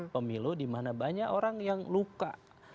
pemilu dimana banyak orang yang luka